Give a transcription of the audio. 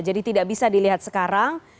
jadi tidak bisa dilihat sekarang